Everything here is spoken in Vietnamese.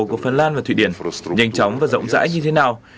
của phần lan và thụy điển nhanh chóng và rộng rãi như thế nào